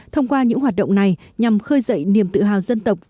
thông qua những hoạt động này nhằm khơi dậy niềm tự hào dân tộc